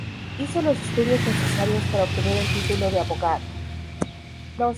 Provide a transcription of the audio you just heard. Hizo los estudios necesarios para obtener el título de abogado.